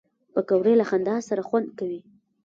پکورې له خندا سره خوند کوي